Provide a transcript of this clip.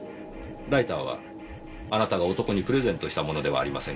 ライターはあなたが男にプレゼントしたものではありませんか？